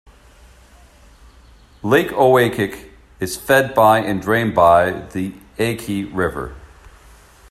Lake Ouiachic is fed by and drained by the Yaqui River.